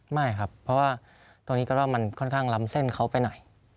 ไม่ครับเพราะว่าตรงนี้ก็ว่ามันค่อนข้างลำเส้นเขาไปไหน